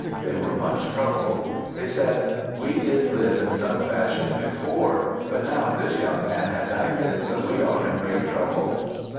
They were much troubled. They said, "We did live in some fashion before; but now this young man has acted so we are in great trouble."